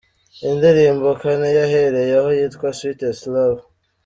Indirimbo Kane yahereyeho yitwa Sweetest Love.